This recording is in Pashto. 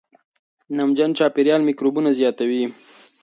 نمجن چاپېریال میکروبونه زیاتوي.